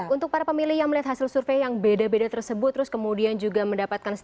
untuk para pemilih yang melihat hasil survei yang beda beda tersebut terus kemudian juga mendapatkan suara